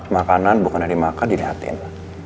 makanan bukan dari makan dilihatin